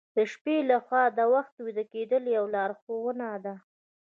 د شپې له خوا د وخته ویده کیدل یو لارښوونه ده.